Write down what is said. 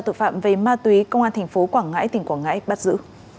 tội phạm về ma túy công an thành phố quảng ngãi tỉnh quảng ngãi bắt giữ